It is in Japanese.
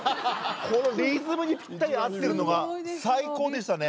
このリズムにぴったり合ってるのが最高でしたね。